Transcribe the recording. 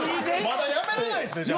まだ辞めれないですねじゃあ。